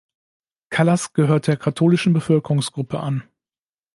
Kallas gehört der katholischen Bevölkerungsgruppe an.